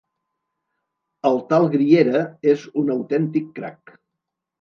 El tal Griera és un autèntic crac.